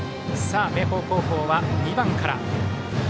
明豊高校は２番から。